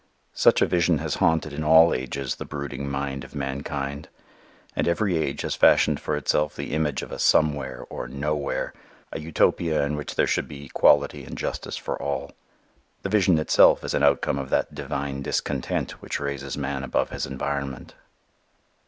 Such a vision has haunted in all ages the brooding mind of mankind; and every age has fashioned for itself the image of a "somewhere" or "nowhere" a Utopia in which there should be equality and justice for all. The vision itself is an outcome of that divine discontent which raises man above his environment.